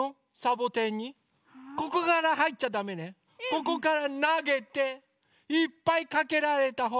ここからなげていっぱいかけられたほうがかちね。